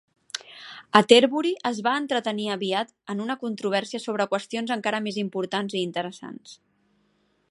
Atterbury es va entretenir aviat en una controvèrsia sobre qüestions encara més importants i interessants.